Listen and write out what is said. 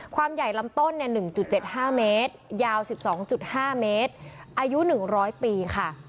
ใหญ่ลำต้น๑๗๕เมตรยาว๑๒๕เมตรอายุ๑๐๐ปีค่ะ